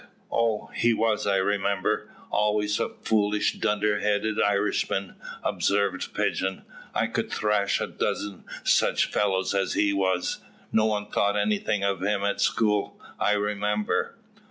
"Oh, he was, I remember, always a foolish dunder headed Irishman," observed Pigeon; "I could thrash a dozen such fellows as he was. No one thought anything of him at school, I remember."